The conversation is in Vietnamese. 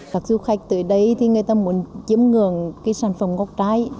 các du khách tới đây thì người ta muốn chiếm ngưỡng cái sản phẩm ngọc chai